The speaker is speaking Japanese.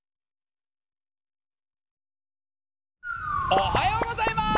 おはようございます！